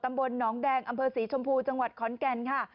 ตำบลหนองแดงอำเภอศรีชมพูจังหวัดขอนแก่นค่ะ